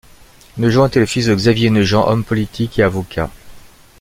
Neujean était le fils de Xavier Neujean, homme politique et avocat.